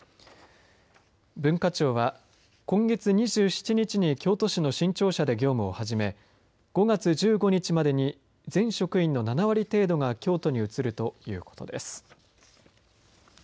文化庁は今月２７日に京都市の新庁舎で業務を始め５月１５日までに全職員の７割程度が京都に移るということです。